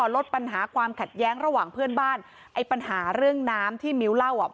ลดปัญหาความขัดแย้งระหว่างเพื่อนบ้านไอ้ปัญหาเรื่องน้ำที่มิ้วเล่าอ่ะ